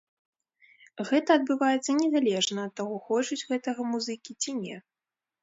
Гэта адбываецца незалежна ад таго хочуць гэтага музыкі ці не.